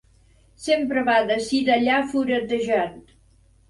Sempre va d'ací d'allà furetejant.